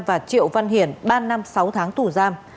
và triệu văn hiển ba năm sáu tháng tù giam